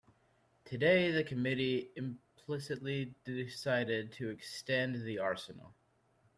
Today the committee implicitly decided to extend the arsenal.